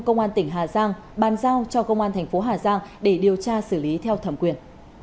công an tỉnh hà giang bàn giao cho công an thành phố hà giang để điều tra xử lý theo thẩm quyền